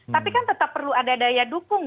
tapi kan tetap perlu ada daya dukung